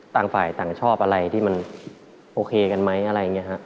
ต่างฝ่ายต่างชอบอะไรที่มันโอเคกันไหมอะไรอย่างนี้ฮะ